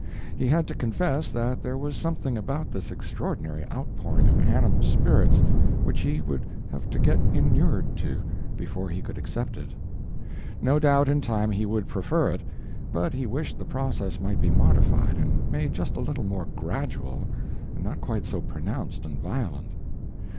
He had to confess that there was something about this extraordinary outpouring of animal spirits which he would have to get inured to before he could accept it. No doubt in time he would prefer it; but he wished the process might be modified and made just a little more gradual, and not quite so pronounced and violent.